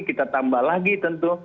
kita tambah lagi tentu